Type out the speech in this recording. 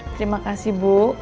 terima kasih bu